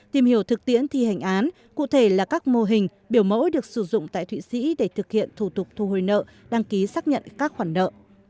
tìm hiểu thực tiễn thi hành án cụ thể là các mô hình biểu mẫu được sử dụng tại thụy sĩ để thực hiện thủ tục thu hồi nợ đăng ký xác nhận các khoản nợ